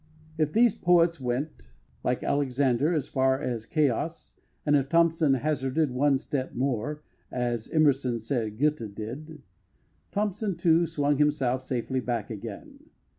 If these poets went, like Alexander, as far as Chaos, and if Thompson hazarded one step more, as Emerson said Goethe did, Thompson too swung himself safely back again.